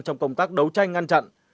trong công tác đấu tranh ngăn chặn